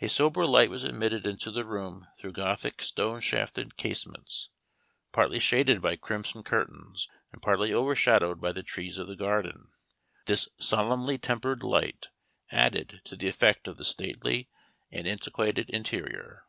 A sober light was admitted into the room through Gothic stone shafted casements, partly shaded by crimson curtains, and partly overshadowed by the trees of the garden. This solemnly tempered light added to the effect of the stately and antiquated interior.